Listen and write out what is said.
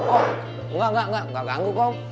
oh enggak enggak enggak enggak ganggu kom